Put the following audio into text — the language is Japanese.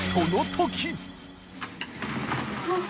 あっ！